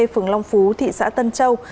phường long phú thị xã tân châu